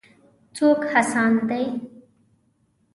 څوک هڅاند دی.